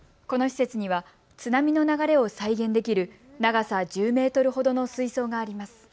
この施設には津波の流れを再現できる長さ１０メートルほどの水槽があります。